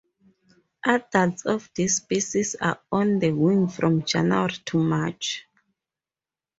Adults of this species are on the wing from January to March.